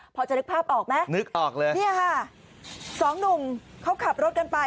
พอจะนึกภาพออกไหมนึกออกเลยเนี่ยค่ะสองหนุ่มเขาขับรถกันไป